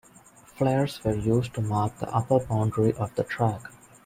Flares were used to mark the upper boundary of the track.